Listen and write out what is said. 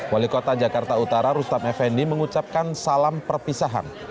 wali kota jakarta utara rustam effendi mengucapkan salam perpisahan